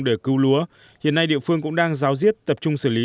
để cứu lúa hiện nay địa phương cũng đang giáo diết tập trung xử lý